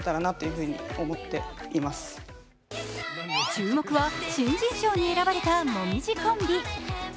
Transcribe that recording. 注目は新人賞に選ばれた椛コンビ。